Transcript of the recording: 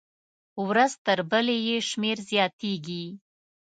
ورځ تر بلې یې شمېر زیاتېږي.